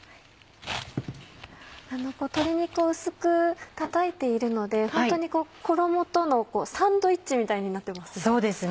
鶏肉を薄くたたいているので衣とのサンドイッチみたいになってますね。